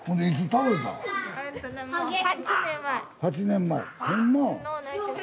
８年前。